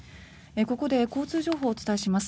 ここで交通情報をお伝えします。